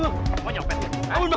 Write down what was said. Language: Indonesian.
jangan k kraftik